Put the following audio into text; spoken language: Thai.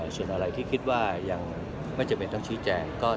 ส่วนอะไรที่คิดว่ายังไม่จำเป็นต้องชี้แจง